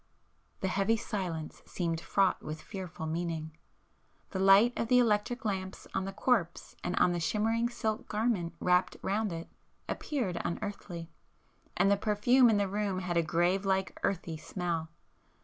The heavy silence seemed fraught with fearful meaning,—the light of the electric lamps on the corpse and on the shimmering silk garment wrapped round it appeared unearthly,—and [p 425] the perfume in the room had a grave like earthy smell.